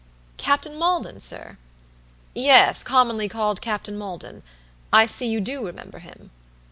"Captain Maldon, sir?" "Yes, commonly called Captain Maldon. I see you do remember him."